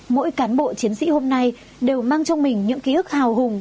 mỗi cán bộ chiến sĩ hôm nay đều mang trong mình những ký ức hào hùng